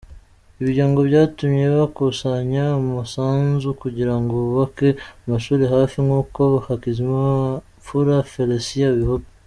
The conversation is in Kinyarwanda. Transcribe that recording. Ibyo ngo byatumye bakusanya umusanzu kugira ngo bubake amashuri hafi; nkuko Hakizimfura Felicien abivuga.